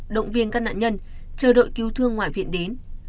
động viên các nạn nhân chờ đợi cứu thương ngoại viện đến